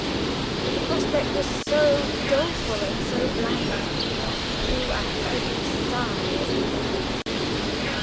But the prospect was so doleful and so blank, that he drew a heavy sigh as he thought of it.